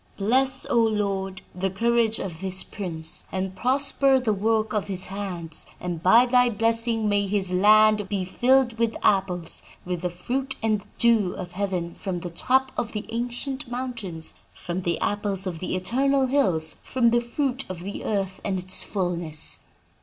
Bless, O Lord, the courage of this prince, and prosper the work of his hands; and by thy blessing may his land be filled with apples, with the fruit and dew of heaven from the top of the ancient mountains, from the apples of the eternal hills, from the fruit of the earth and its fullness!'